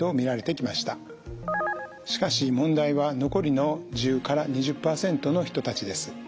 しかし問題は残りの１０から２０％の人たちです。